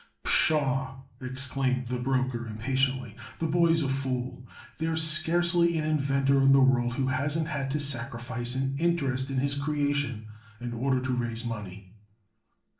"Pshaw!" exclaimed the broker, impatiently; "the boy's a fool. There's scarcely an inventor in the world who hasn't had to sacrifice an interest in his creation in order to raise money."